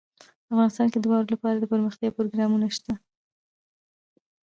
افغانستان کې د واورې لپاره دپرمختیا پروګرامونه شته دي.